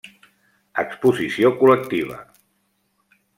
Exposició Col·lectiva.